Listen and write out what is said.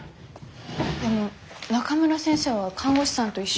でも中村先生は看護師さんと一緒。